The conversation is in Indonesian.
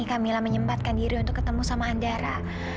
kamilah menyempatkan diri untuk ketemu sama anda